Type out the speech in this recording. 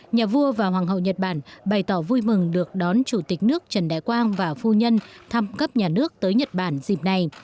nhà vua và hoàng hậu nhật bản bày tỏ vui mừng được đón chủ tịch nước trần đại quang và phu nhân thăm cấp nhà nước tới nhật bản dịp này